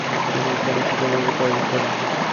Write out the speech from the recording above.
তিনি ইসলামি শিক্ষায় ব্যুৎপত্তি অর্জন করেন।